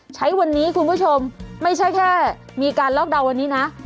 ใช้วันนี้คุณผู้ชมไม่ใช่แค่มีการล็อกดาวน์วันนี้นะ